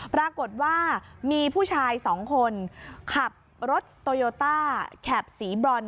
ปรากฏว่ามีผู้ชายสองคนขับรถโตโยต้าแข็บสีบรอน